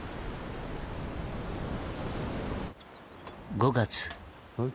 ５月。